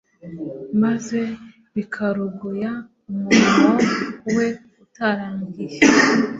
maze bikarogoya umurimo We utarangiye